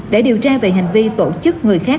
để điều tra về hành vi tổ chức người khác